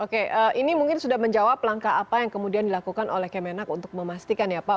oke ini mungkin sudah menjawab langkah apa yang kemudian dilakukan oleh kemenak untuk memastikan ya pak